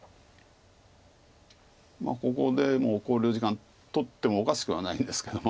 ここでも考慮時間取ってもおかしくはないんですけども。